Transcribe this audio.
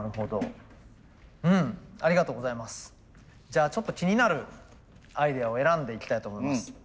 じゃあちょっと気になるアイデアを選んでいきたいと思います。